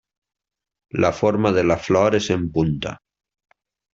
La forma de la flor és en punta.